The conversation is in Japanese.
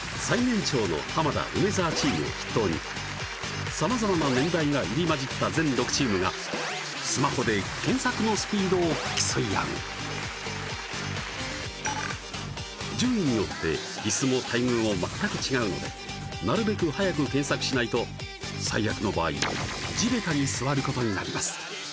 最年長の浜田梅沢チームを筆頭にさまざまな年代が入り交じった全６チームがスマホで検索のスピードを競い合う順位によって椅子も待遇も全く違うのでなるべく早く検索しないと最悪の場合地べたに座ることになります